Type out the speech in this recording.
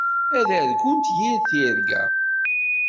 Ad argunt yir tirga.